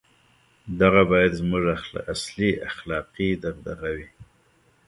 • دغه باید زموږ اصلي اخلاقي دغدغه وای.